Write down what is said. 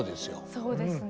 そうですね。